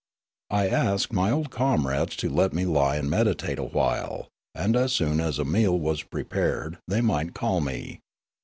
I asked my old comrades to let me lie and meditate a while, and as soon as a meal was prepared, they might call me.